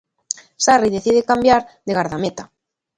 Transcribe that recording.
Sarri decide cambiar de gardameta.